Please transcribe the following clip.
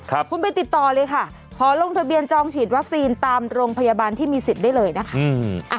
คุณไปติดต่อเลยค่ะขอลงทะเบียนจองฉีดวัคซีนตามโรงพยาบาลที่มีสิทธิ์ได้เลยนะคะอืม